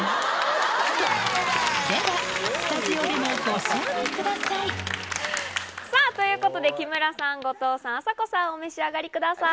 では、スタジオでもご賞味くさあ、ということで、木村さん、後藤さん、あさこさん、お召し上がりください。